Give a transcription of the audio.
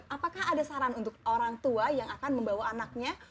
apakah ada saran untuk orang tua yang akan membawa anaknya